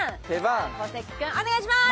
小関君、お願いします。